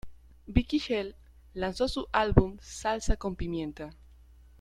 Vicky Shell lanzó su álbum Salsa con Pimienta!